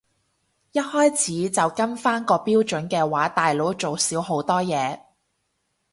一開始就跟返個標準嘅話大佬做少好多嘢